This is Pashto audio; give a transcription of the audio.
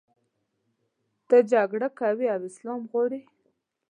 ته جګړه کوې او اسلام غواړې.